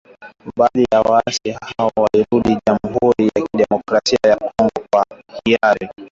Baadhi ya waasi hao walirudi jamhuri ya kidemokrasia ya Kongo kwa hiari